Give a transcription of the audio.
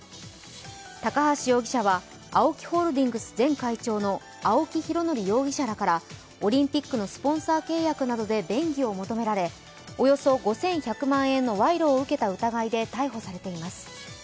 高橋容疑者はＡＯＫＩホールディングス前会長の青木拡憲容疑者らからオリンピックのスポンサー契約などで便宜を求められおよそ５１００万円の賄賂を受けた疑いで逮捕されています。